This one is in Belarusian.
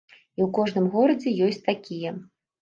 І ў кожным горадзе ёсць такія.